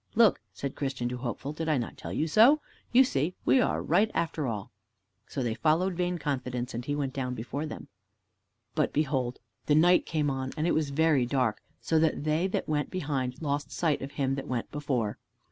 "Look," said Christian to Hopeful, "did I not tell you so? You see, we are right after all." So they followed Vain confidence, and he went before them. But behold, the night came on, and it was very dark, so that they that went behind lost sight of him that went before.